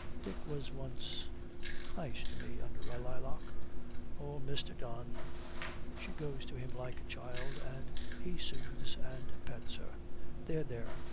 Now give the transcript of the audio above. Dick was once nice to me under a lilac. Oh, Mr. Don ' She goes to him like a child, and he soothes and pets her. 'There, there!